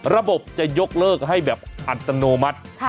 ระบบจะยกเลิกให้แบบอัตโนมัติ